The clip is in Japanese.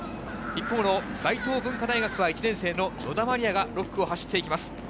一方の大東文化大学は１年生の野田真理耶が６区を走っていきます。